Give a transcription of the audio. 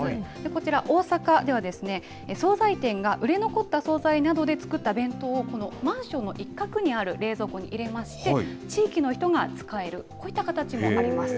こちら、大阪では総菜店が売れ残った総菜などで作った弁当を、このマンションの一角にある冷蔵庫に入れまして、地域の人が使える、こういった形もあります。